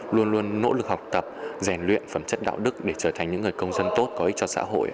luôn luôn nỗ lực học tập rèn luyện phẩm chất đạo đức để trở thành những người công dân tốt có ích cho xã hội